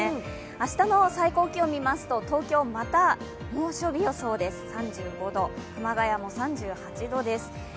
明日の最高気温見ますと、東京はまた猛暑日予想です、３５度、熊谷も３８度です。